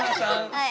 はい。